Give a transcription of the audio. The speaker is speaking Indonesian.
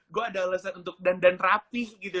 gue ada alasan untuk dandan rapih gitu